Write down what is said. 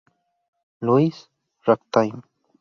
Louis Ragtime.